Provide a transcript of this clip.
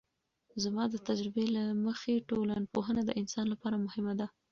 زما د تجربې له مخې ټولنپوهنه د انسان لپاره مهمه ده.